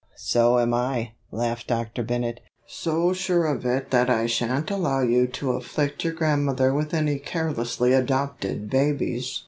"So am I," laughed Dr. Bennett. "So sure of it that I shan't allow you to afflict your grandmother with any carelessly adopted babies.